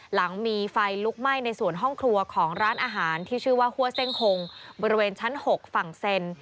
หลังมีไฟลุกไหม้ในส่วนห้องครัวของร้านอาหารที่ชื่อว่าหัวเส้งหงบริเวณชั้น๖ฝั่งเซ็น